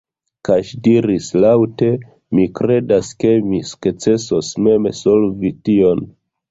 Kaj ŝi diris laŭte: "Mi kredas ke mi sukcesos mem solvi tion."